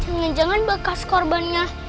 jangan jangan bekas korbannya